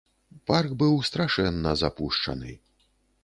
Парк быў страшэнна запушчаны.